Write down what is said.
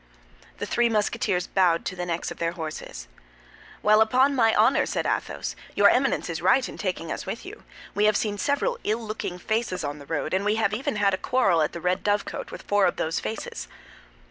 The three Musketeers bowed to the necks of their horses. "Well, upon my honor," said Athos, "your Eminence is right in taking us with you; we have seen several ill looking faces on the road, and we have even had a quarrel at the Red Dovecot with four of those faces."